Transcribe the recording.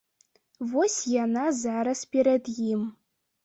Вось яна зараз перад ім.